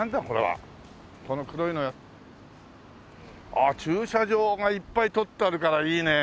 ああ駐車場がいっぱい取ってあるからいいね。